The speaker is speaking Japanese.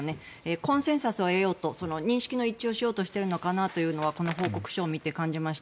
コンセンサスを得ようと認識を一致させようとしているのかなとはこの報告書を見て感じました。